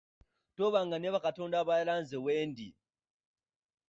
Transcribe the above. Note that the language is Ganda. Tobanga ne bakatonda balala nze wendi.